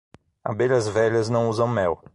Abelhas velhas não usam mel.